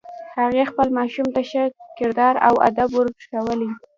هغې خپل ماشوم ته ښه کردار او ادب ور ښوولی